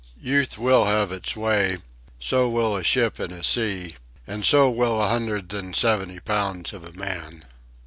Youth will have its way. So will a ship in a sea. And so will a hundred and seventy pounds of a man.